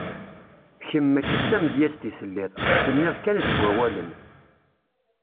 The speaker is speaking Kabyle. Kemm mačči d tamedyazt i telliḍ, tsenniḍ kan deg wawalen.